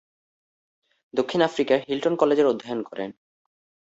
দক্ষিণ আফ্রিকার হিল্টন কলেজে অধ্যয়ন করেন।